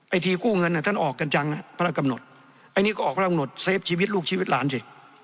อันนี้ก็ออกพระกำหนดเซฟชีวิตลูกชีวิตหลานสิ